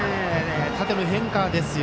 縦の変化ですよ。